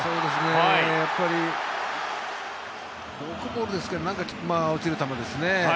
やっぱりフォークボールですかね落ちる球ですね。